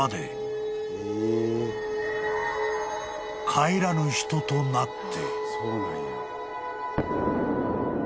［帰らぬ人となって］